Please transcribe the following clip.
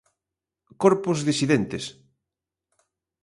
Corpos disidentes.